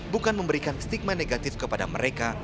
bukan memberikan stigma negatif kepada mereka